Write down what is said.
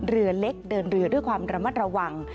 เรือเล็กเดินเรือด้วยความระมัดระวัง